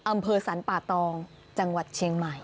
อำเภอสรรป่าตองจังหวัดเชียงใหม่